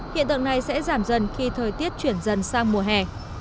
hiện tượng này sẽ giảm dần khi thời tiết chuyển dần sang mùa hè